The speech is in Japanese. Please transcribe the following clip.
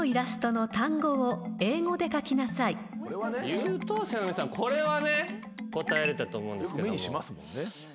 優等生の皆さんこれはね答えられたと思うんですけども。